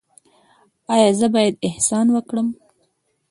ایا زه باید احسان وکړم؟